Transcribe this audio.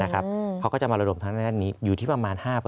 เขาก็จะมาระดมทางด้านนี้อยู่ที่ประมาณ๕